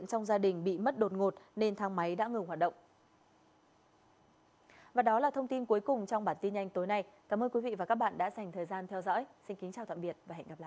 xin kính chào tạm biệt